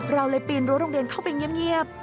เราเลยปีนรั้วโรงเรียนเข้าไปเงียบ